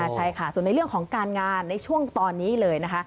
ใช่ค่ะส่วนในเรื่องของการงานในช่วงตอนนี้เลยนะคะ